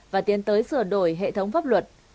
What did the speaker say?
và tiến tới sửa đổi hệ thống pháp luật